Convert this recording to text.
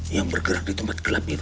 yang bergerak di tempat gelap itu